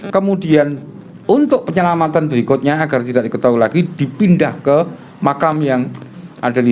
kemudian untuk penyelamatan berikutnya agar tidak diketahui lagi dipindah ke makam yang ada di